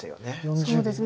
そうですね